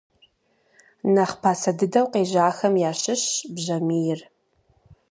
Нэхъ пасэ дыдэу къежьахэм ящыщщ бжьамийр.